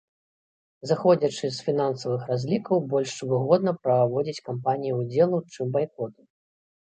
Зыходзячы з фінансавых разлікаў, больш выгодна праводзіць кампанію ўдзелу, чым байкоту.